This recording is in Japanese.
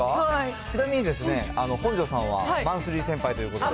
ちなみに本上さんはマンスリー先輩ということで。